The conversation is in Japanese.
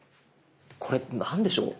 これ何でしょう？